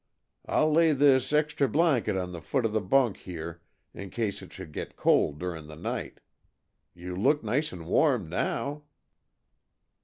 I'll lay this extry blanket on the foot of the bunk here in case it should get cold during the night. You look nice and warm now."